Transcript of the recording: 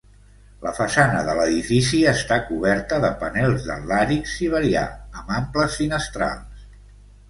La façana de l'edifici està coberta de panels de làrix siberià amb amples finestrals.